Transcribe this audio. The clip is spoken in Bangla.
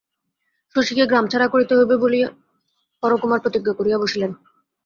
শশীকে গ্রামছাড়া করিতে হইবে বলিয়া হরকুমার প্রতিজ্ঞা করিয়া বসিলেন।